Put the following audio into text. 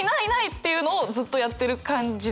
っていうのをずっとやってる感じですね。